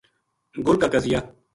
گل کا قضیہ